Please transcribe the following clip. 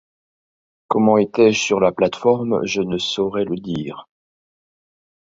Comment étais-je sur la plate-forme, je ne saurais le dire.